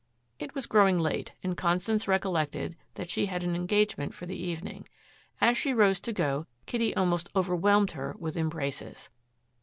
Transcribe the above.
It was growing late and Constance recollected that she had an engagement for the evening. As she rose to go Kitty almost overwhelmed her with embraces.